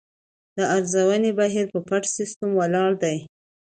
د ارزونې بهیر په پټ سیستم ولاړ دی.